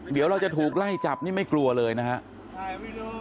เดี๋ยวเราจะถูกไล่จับนี่ไม่กลัวเลยนะครับ